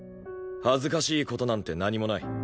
恥ずかしい事なんて何もない。